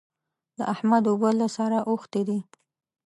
د احمد اوبه له سره اوښتې دي.